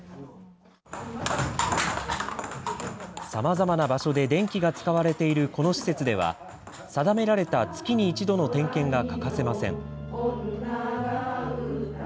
さまざまな場所で電気が使われているこの施設では、定められた月に一度の点検が欠かせません。